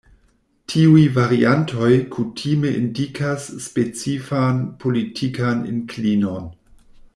Tiuj variantoj kutime indikas specifan politikan inklinon.